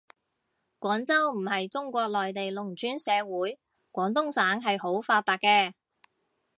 廣州唔係中國內地農村社會，廣東省係好發達嘅